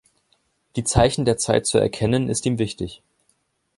Die Zeichen der Zeit zu erkennen, ist ihm wichtig.